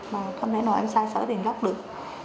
và không thể nào em sai sở tiền góp được